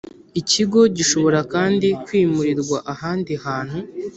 ikigo Gishobora kandi kwimurirwa ahandi hantu